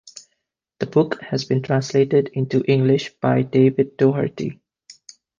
The book has been translated into English by David Doherty.